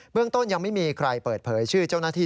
เรื่องต้นยังไม่มีใครเปิดเผยชื่อเจ้าหน้าที่